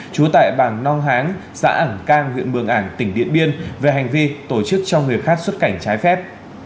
trú tại bản nong háng xã ẩn cang huyện mường ảng tỉnh điện biên về hành vi tổ chức cho người khác xuất cảnh trái phép